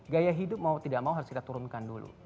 gaya hidup mau tidak mau harus kita turunkan dulu